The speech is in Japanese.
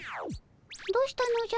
どうしたのじゃ？